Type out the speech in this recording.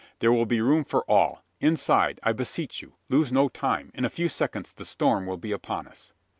"There will be room for all. Inside, I beseech you! Lose no time. In a few seconds the storm will be upon us!"